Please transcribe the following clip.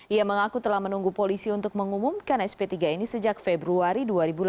ia mengaku telah menunggu polisi untuk mengumumkan sp tiga ini sejak februari dua ribu delapan belas